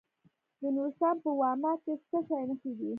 د نورستان په واما کې د څه شي نښې دي؟